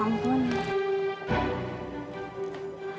ya ampun ya